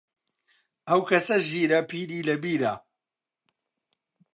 ئەو کەسە ژیرە، پیری لە بیرە